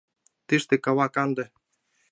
Тыште кава канде.